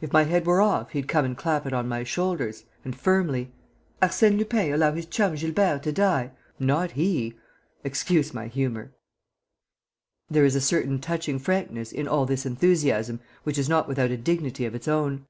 If my head were off, he'd come and clap it on my shoulders and firmly! Arsène Lupin allow his chum Gilbert to die? Not he! Excuse my humour!' "There is a certain touching frankness in all this enthusiasm which is not without a dignity of its own.